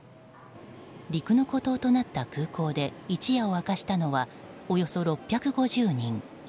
陸の孤島となった空港で一夜を明かしたのはおよそ６５０人。